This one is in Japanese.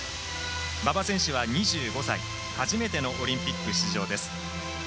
馬場選手は２５歳初めてのオリンピック出場です。